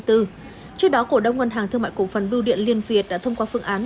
trước đó cổ đông ngân hàng thương mại cổ phần bưu điện liên việt đã thông qua phương án